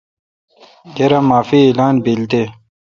کیر معافی اعلان بیل تے۔